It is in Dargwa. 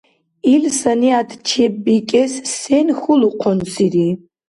Ил санигӀят чеббикӀес сен хьулухъунсири?